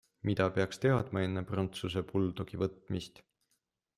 Mida peaks teadma enne prantsuse buldogi võtmist?